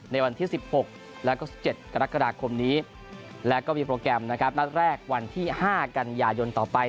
ในวันที่๑๖แล้วก็๑๗กรกฎาคมนี้แล้วก็มีโปรแกรมนะครับนัดแรกวันที่๕กันยายนต่อไป